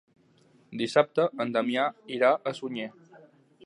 Dissabte en Damià irà a Sunyer.